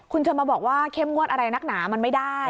คุณจะมาบอกว่าเข้มงวดอะไรนักหนามันไม่ได้